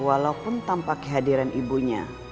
walaupun tanpa kehadiran ibunya